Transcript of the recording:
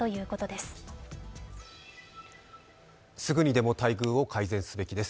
すぐにでも待遇を改善すべきです。